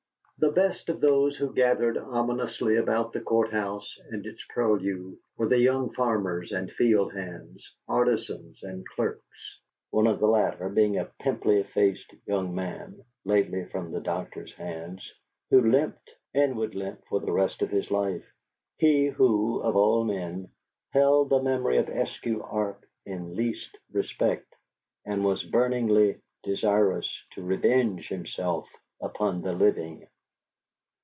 The best of those who gathered ominously about the Court house and its purlieus were the young farmers and field hands, artisans and clerks; one of the latter being a pimply faced young man (lately from the doctor's hands), who limped, and would limp for the rest of his life, he who, of all men, held the memory of Eskew Arp in least respect, and was burningly desirous to revenge himself upon the living.